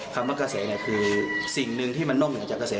คำว่ากระแสคือสิ่งนึงที่มันน่มหนึ่งจากกระแส